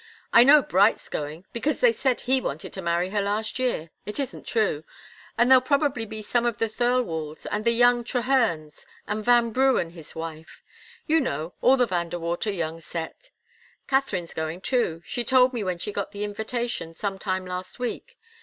I know Bright's going because they said he wanted to marry her last year it isn't true. And there'll probably be some of the Thirlwalls, and the young Trehearns, and Vanbrugh and his wife you know, all the Van De Water young set. Katharine's going, too. She told me when she got the invitation, some time last week.